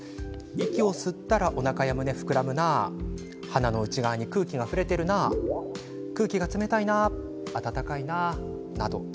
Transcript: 息を吸ったらおなかや胸が膨らむな鼻の内側に空気が触れてるな空気が冷たいな、温かいななど。